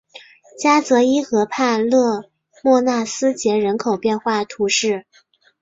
加泽伊河畔勒莫纳斯捷人口变化图示